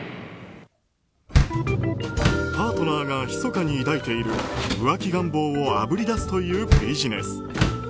パートナーがひそかに抱いている浮気願望をあぶり出すというビジネス。